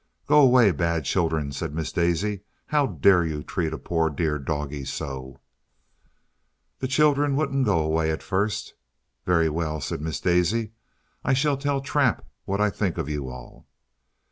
"Go away, bad children," said Miss Daisy; "how dare you treat a poor dear doggie so?" The children wouldn't go away at first. "Very well," said Miss Daisy; "I shall tell Trap what I think of you all."